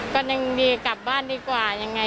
ก็ยังดีกลับบ้านดีกว่ายังไง